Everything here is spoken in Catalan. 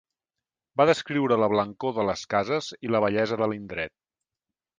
Va descriure la blancor de les cases i la bellesa de l'indret.